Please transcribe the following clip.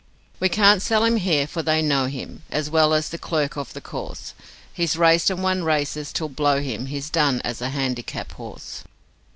'We can't sell him here, for they know him As well as the clerk of the course; He's raced and won races till, blow him, He's done as a handicap horse.